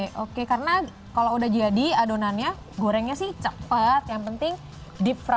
oke oke oke karena kalau udah jadi adonannya gorengnya sih cepet yang penting adonannya cepet ya